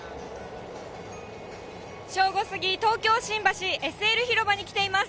正午過ぎ、東京・新橋ＳＬ広場に来ています。